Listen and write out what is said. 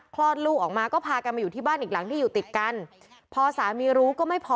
คลอดลูกออกมาก็พากันมาอยู่ที่บ้านอีกหลังที่อยู่ติดกันพอสามีรู้ก็ไม่พอ